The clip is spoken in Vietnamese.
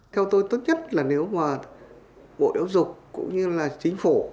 theo tôi tốt nhất là nếu mà bộ giáo dục cũng như là chính phủ